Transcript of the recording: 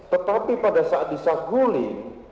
tetapi pada saat di saguling